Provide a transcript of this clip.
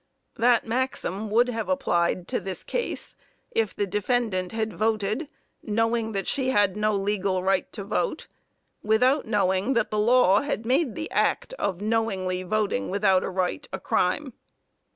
That maxim would have applied to this case, if the defendant had voted, knowing that she had no legal right to vote; without knowing that the law had made the act of knowingly voting without a right, a crime.